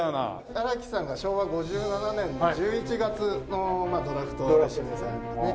荒木さんが昭和５７年の１１月のドラフトで指名されてね。